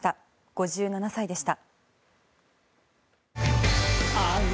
５７歳でした。